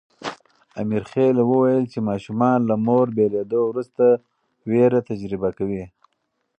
امرخېل وویل چې ماشومان له مور بېلېدو وروسته وېره تجربه کوي.